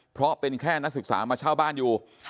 เพราะเป็นแค่นักศึกษามาเช่าบ้านอยู่